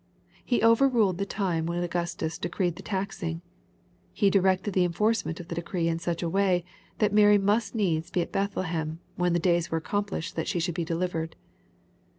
He overruled the time when Augustus decreed the taxing. He directed the enforcement of the decree in such a way, that Mary must needs be at Bethlehem when ^^ the days were accomplished that she should be delivered.